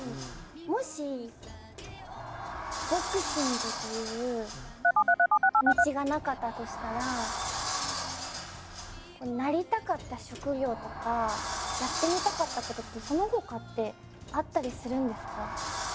もしボクシングという道がなかったとしたらなりたかった職業とかやってみたかったことってそのほかってあったりするんですか？